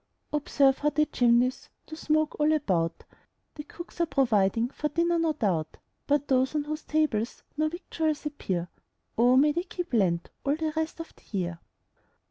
Observe how the chimneys Do smoke all about; The cooks are providing For dinner, no doubt; But those on whose tables No victuals appear, O may they keep Lent All the rest of the year.